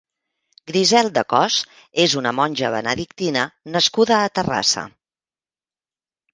Griselda Cos és una monja benedictina nascuda a Terrassa.